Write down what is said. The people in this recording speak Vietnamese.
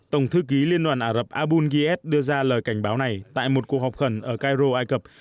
tổng thư ký liên đoàn ả rập abul gieet đưa ra lời cảnh báo này tại một cuộc họp khẩn ở cairo ai cập